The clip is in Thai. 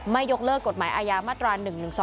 ยกเลิกกฎหมายอาญามาตรา๑๑๒